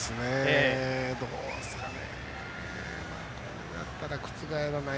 どうですかね。